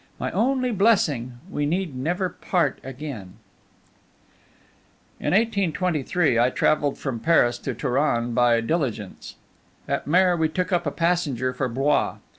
My only blessing, we need never part again!" In 1823 I traveled from Paris to Touraine by diligence. At Mer we took up a passenger for Blois.